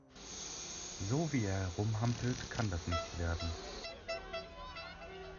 So, wie er herumhampelt, kann das nichts werden.